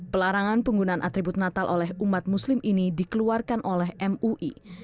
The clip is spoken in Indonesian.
pelarangan penggunaan atribut natal oleh umat muslim ini dikeluarkan oleh mui